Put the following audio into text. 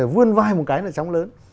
vươn vai một cái là chóng lớn